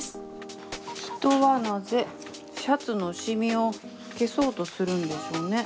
人はなぜシャツのシミを消そうとするんでしょうね。